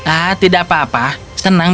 ah tidak apa apa senang